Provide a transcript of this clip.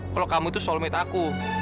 kalau kamu itu selalu minta aku